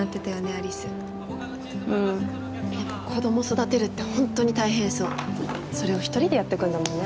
有栖うん子ども育てるってホントに大変そうそれを１人でやってくんだもんね